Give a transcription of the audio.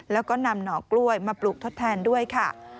แล้วก็นำหน่อกล้วยมาปลูกทดแทนด้วยค่ะ